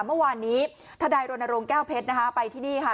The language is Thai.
เมื่อวานนี้ทนายรณรงค์แก้วเพชรนะคะไปที่นี่ค่ะ